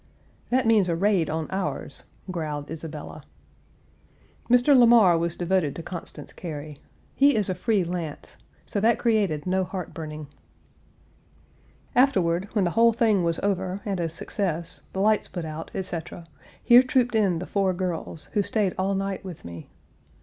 "That means a raid on ours," growled Isabella. Mr. Lamar was devoted to Constance Cary. He is a free lance; so that created no heart burning. Afterward, when the whole thing was over, and a success, the lights put out, etc., here trooped in the four girls, who stayed all night with me.